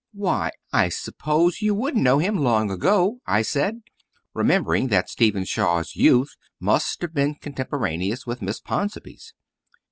"Why, I suppose you would know him long ago," I said, remembering that Stephen Shaw's youth must have been contemporaneous with Miss Ponsonby's.